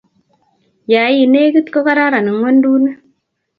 ya I negit ko kararan ng'wanduni